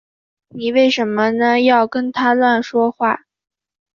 妳为什呢要跟他乱说话